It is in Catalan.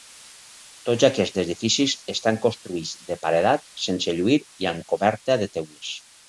Tots aquests edificis estan construïts de paredat sense lluir i amb coberta de teules.